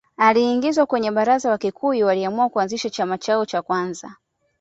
Aliingizwa kwenye Baraza Wakikuyu waliamua kuanzisha chama chao cha kwanza